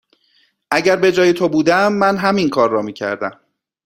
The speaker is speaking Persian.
اگر به جای تو بودم، من همین کار را می کردم.